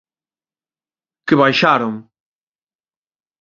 Que baixaron.